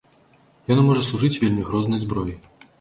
Яно можа служыць вельмі грознай зброяй.